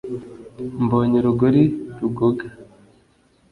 Mbonye urugori rugoga,